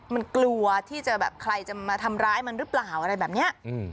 มันกลัวที่จะแบบใครจะมาทำร้ายมันหรือเปล่าอะไรแบบนี้